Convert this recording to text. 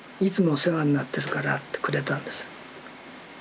お世話になってるからってくれたんですよ。